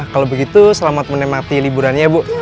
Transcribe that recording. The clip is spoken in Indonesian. kalau begitu selamat menemati liburannya bu